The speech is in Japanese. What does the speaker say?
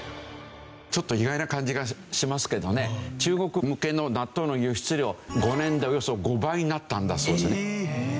ちょっと意外な感じがしますけどね中国向けの納豆の輸出量５年でおよそ５倍になったんだそうですね。